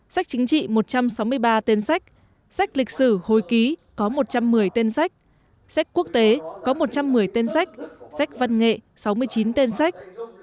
sách chính trị một trăm sáu mươi ba tên sách sách lịch sử hồi ký có một trăm một mươi tên sách sách quốc tế có một trăm một mươi tên sách sách văn nghệ sáu mươi chín tên sách